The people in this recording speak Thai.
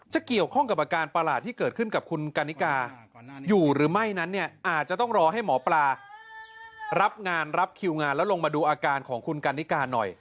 จะเกี่ยวข้องกับอาการประหลาดที่เกิดขึ้นกับคุณกันนิกาอยู่หรือไม่นั้นเนี่ยอาจจะต้องรอให้หมอปลารับงานรับคิวงานแล้วลงมาดูอาการของคุณกันนิกาหน่อย